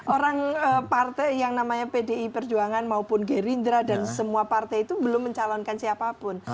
orang partai yang namanya pdi perjuangan maupun gerindra dan semua partai itu belum mencalonkan siapapun